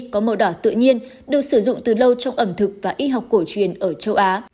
có màu đỏ tự nhiên được sử dụng từ lâu trong ẩm thực và y học cổ truyền ở châu á